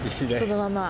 そのまま。